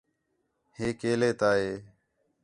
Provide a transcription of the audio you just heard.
ہے کیلے تا ہے